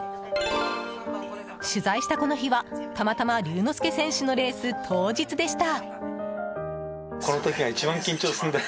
取材したこの日は、たまたま龍之介選手のレース当日でした。